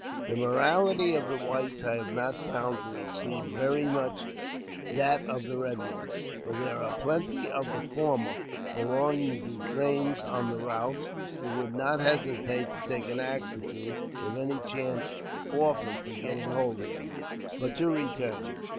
The morality of the whites I have not found to exceed very much that of the Eed man ; for there are plenty of the former, belonging to trains on the routes, who would not hesitate to take an ox or two, if any chance offered for getting hold of them. But to return.